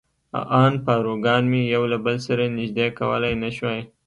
ان پاروګان مې یو له بل سره نژدې کولای نه شول.